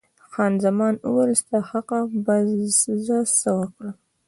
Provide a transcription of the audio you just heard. خان زمان وویل، ستا له حقه به زه څه وکړم.